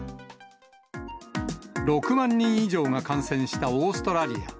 ６万人以上が感染したオーストラリア。